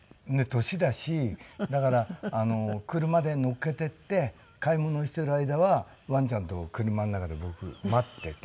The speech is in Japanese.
だから車で乗っけていって買い物をしてる間はワンちゃんと車の中で僕待ってて。